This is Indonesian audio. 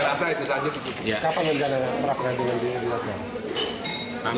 kapan menjadikan pra peradilan ini dihadapkan